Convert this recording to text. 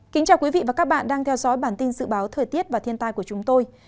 chào mừng quý vị đến với bản tin thời tiết và thiên tai của chúng tôi